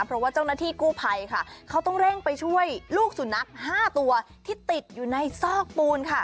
เพราะว่าเจ้าหน้าที่กู้ภัยค่ะเขาต้องเร่งไปช่วยลูกสุนัข๕ตัวที่ติดอยู่ในซอกปูนค่ะ